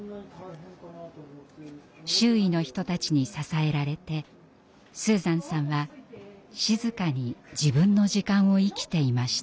周囲の人たちに支えられてスーザンさんは静かに自分の時間を生きていました。